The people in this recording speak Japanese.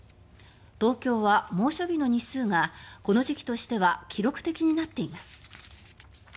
東京は猛暑日の日数がこの時期としては記録的になっています。